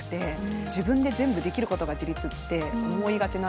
自分で全部できることが自立って思いがちなんですけど。